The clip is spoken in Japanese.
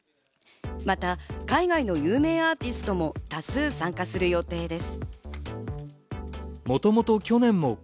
また、海外の有名アーティストも多数参加する予定です。